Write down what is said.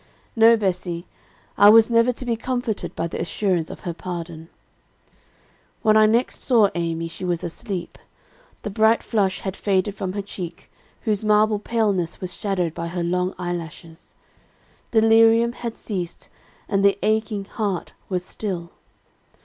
No, Bessie, I was never to be comforted by the assurance of her pardon. "When I next saw Amy, she was asleep. The bright flush had faded from her cheek, whose marble paleness was shaded by her long eyelashes. Delirium had ceased, and the aching heart was still.